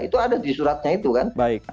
itu ada di suratnya itu kan